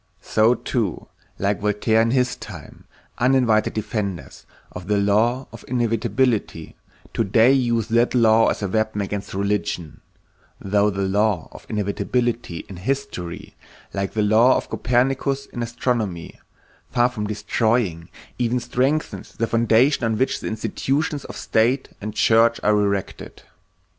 So too, like Voltaire in his time, uninvited defenders of the law of inevitability today use that law as a weapon against religion, though the law of inevitability in history, like the law of Copernicus in astronomy, far from destroying, even strengthens the foundation on which the institutions of state and church are erected.